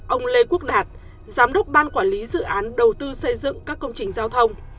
ông lê quốc đạt giám đốc ban quản lý dự án đầu tư xây dựng các công trình giao thông